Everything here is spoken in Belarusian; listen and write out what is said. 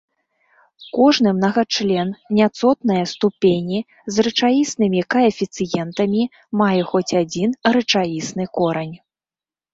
Кожны мнагачлен няцотнае ступені з рэчаіснымі каэфіцыентамі мае хоць адзін рэчаісны корань.